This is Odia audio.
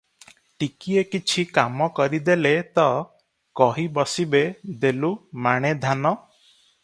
ଟିକିଏ କିଛି କାମ କରିଦେଲେ ତ, କହି ବସିବେ ଦେଲୁ ମାଣେ ଧାନ ।